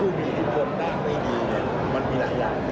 ผู้มีอิทธิพลด้านไม่ดีมันมีหลายอย่าง